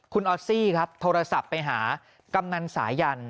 คุณออสซี่ครับโทรศัพท์ไปหากำนันสายัน